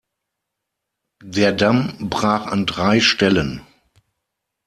Der Damm brach an drei Stellen.